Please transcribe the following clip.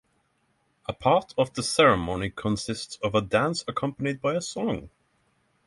A part of the ceremony consists of a dance accompanied by a song.